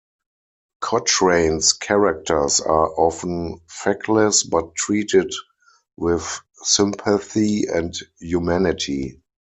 Cochrane's characters are often feckless, but treated with sympathy and humanity.